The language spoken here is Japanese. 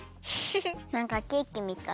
なんかケーキみたい。